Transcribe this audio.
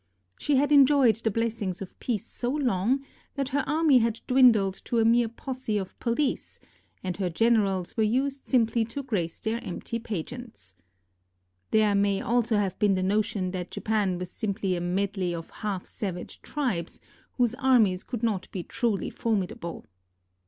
She had enjoyed the blessings of peace so long that her army had dwindled to a mere posse of poHce, and her generals were used simply to grace their empty pageants. There may also have been the notion that Japan was simply a medley of half savage tribes, whose armies could not be truly formidable.